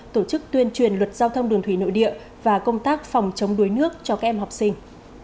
tổ chức tuyên truyền luật giao thông đường thủy nội địa và công tác phòng chống đuối nước cho các em học sinh